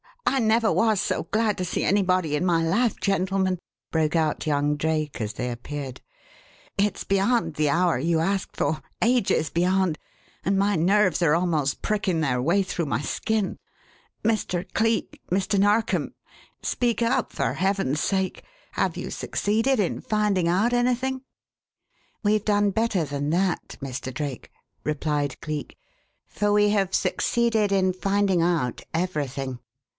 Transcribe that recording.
I never was so glad to see anybody in my life, gentlemen," broke out young Drake as they appeared. "It's beyond the hour you asked for ages beyond and my nerves are almost pricking their way through my skin. Mr. Cleek Mr. Narkom speak up, for heaven's sake. Have you succeeded in finding out anything?" "We've done better than that, Mr. Drake," replied Cleek, "for we have succeeded in finding out everything.